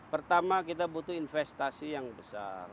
pertama kita butuh investasi yang besar